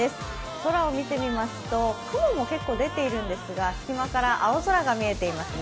空を見てみますと、雲も結構出ているんですが、隙間から青空が見えていますね。